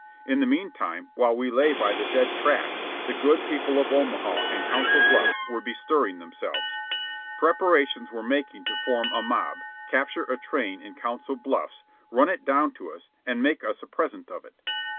In the meantime, while we lay by the dead tracks, the good people of Omaha and Council Bluffs were bestirring themselves. Preparations were making to form a mob, capture a train in Council Bluffs, run it down to us, and make us a present of it.